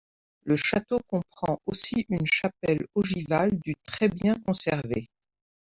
Le château comprend aussi une chapelle ogivale du très bien conservée.